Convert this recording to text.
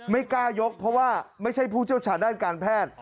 ไม่กล้ายกเพราะว่าไม่ใช่ผู้เชี่ยวชาญด้านการแพทย์